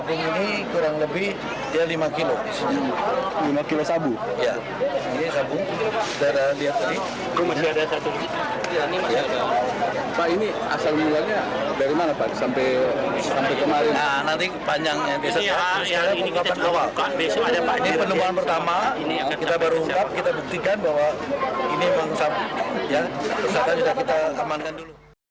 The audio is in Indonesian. ini penemuan pertama kita baru ungkap kita buktikan bahwa ini memang sabu sabu